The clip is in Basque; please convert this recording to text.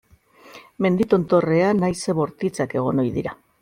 Mendi tontorrean haize bortitzak egon ohi dira.